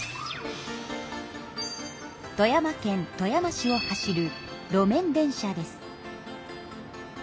富山県富山市を走る路面電車です。